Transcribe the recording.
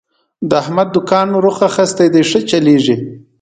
د احمد دوکان روخ اخستی دی، ښه چلېږي.